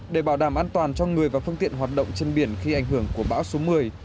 để bảo đảm an toàn cho người và phương tiện hoạt động trên biển khi ảnh hưởng của bão số một mươi